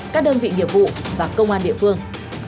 các đơn vị nghiệp vụ và công an địa phương